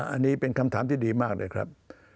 อันนี้เป็นคำถามที่ดีมากเลยครับ